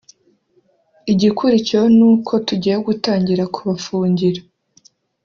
igikurikiyeho ni uko tugiye gutangira kubafungira